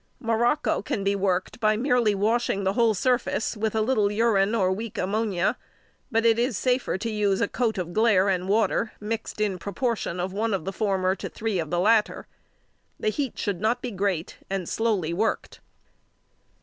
Morocco can be worked by merely washing the whole surface with a little urine or weak ammonia, but it is safer to use a coat of glaire and water mixed in proportion of one of the former to three of the latter. The heat should not be great, and slowly worked.